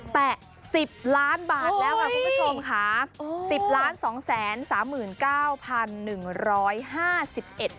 แตะ๑๐ล้านบาทแล้วค่ะคุณผู้ชมค่ะ